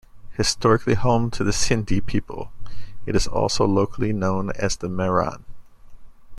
Historically home to the Sindhi people, it is also locally known as the Mehran.